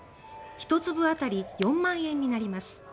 １粒当たり４万円になります。